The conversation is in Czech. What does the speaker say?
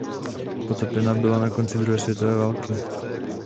Potopena byla na konci druhé světové války.